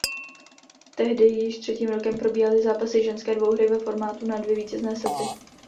Tehdy již třetím rokem probíhaly zápasy ženské dvouhry ve formátu na dvě vítězné sety.